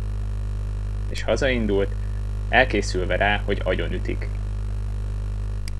És hazaindult, elkészülve rá, hogy agyonütik.